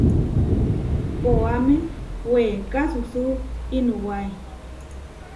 Koáme weeká asusú inuwáe.